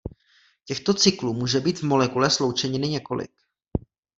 Těchto cyklů může být v molekule sloučeniny několik.